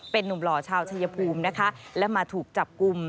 เป็นนุ่มหล่อชาวชายภูมินะคะและมาถูกจับกลุ่ม